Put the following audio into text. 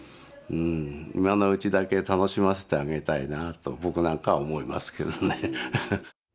今のうちだけ楽しませてあげたいなと僕なんかは思いますけどね。